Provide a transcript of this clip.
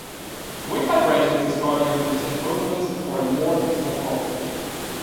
Weak fibrations discard even this equivalence for a more technical property.